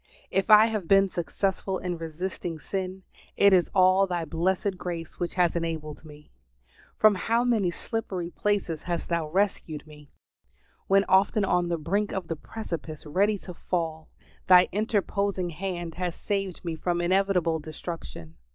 If I have been successful in resisting sin, it is all Thy blessed grace which has enabled me. From how many slippery places has Thou rescued me! When often on the brink of the precipice, ready to fall, Thy interposing hand has saved me from inevitable destruction.